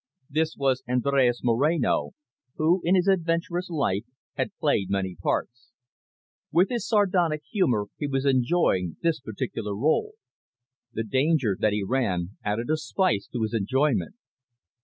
This was Andres Moreno, who, in his adventurous life, had played many parts. With his sardonic humour he was enjoying this particular role. The danger that he ran added a spice to his enjoyment.